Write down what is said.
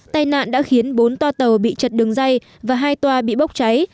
tai nạn đã khiến bốn toa tàu bị chật đường dây và hai toa bị bốc cháy